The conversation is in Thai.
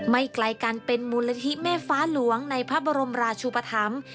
ไกลกันเป็นมูลนิธิแม่ฟ้าหลวงในพระบรมราชุปธรรม